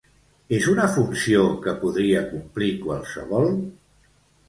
És una funció que podria complir qualsevol?